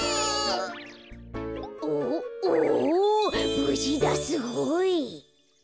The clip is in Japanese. ぶじだすごい。